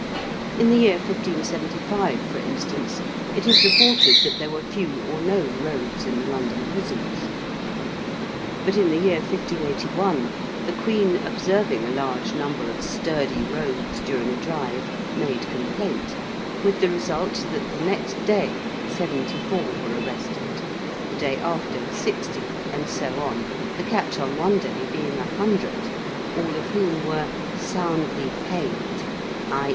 In the year 1575, for instance, it is reported that there were few or no rogues in the London prisons. But in the year 1581, the Queen observing a large number of sturdy rogues during a drive made complaint, with the result that the next day 74 were arrested: the day after 60, and so on, the catch on one day being a hundred, all of whom were 'soundly paid,' i.